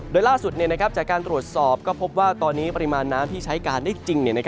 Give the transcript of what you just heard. โดยล่าสุดจากการตรวจสอบก็พบว่าตอนนี้ปริมาณน้ำที่ใช้การได้จริง